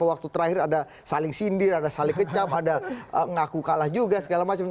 waktu terakhir ada saling sindir ada saling kecap ada ngaku kalah juga segala macam